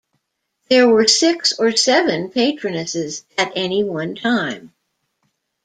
There were six or seven Patronesses at any one time.